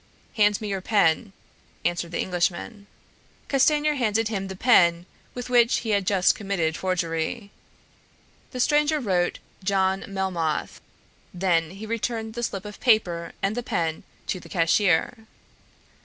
"Hand me your pen," answered the Englishman. Castanier handed him the pen with which he had just committed forgery. The stranger wrote John Melmoth, then he returned the slip of paper and the pen to the cashier.